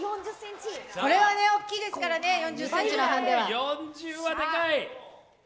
これはデカいですからね、４０ｃｍのハンデは。